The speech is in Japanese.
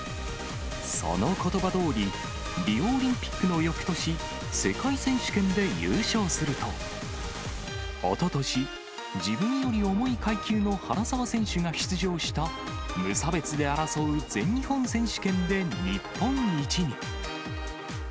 そのことばどおり、リオオリンピックのよくとし、世界選手権で優勝すると、おととし、自分より重い階級の原沢選手が出場した、無差別で争う全日本選手権で日本一に。